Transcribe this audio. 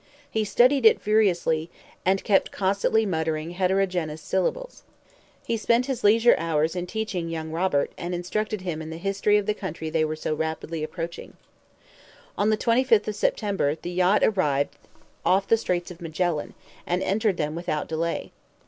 He studied it furiously, and kept constantly muttering heterogeneous syllables. He spent his leisure hours in teaching young Robert, and instructed him in the history of the country they were so rapidly approaching. On the 25th of September, the yacht arrived off the Straits of Magellan, and entered them without delay.